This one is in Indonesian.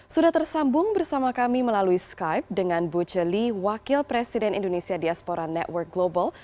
sudah tersambung bersama kami melalui skype dengan bu celi wakil presiden indonesia diaspora network global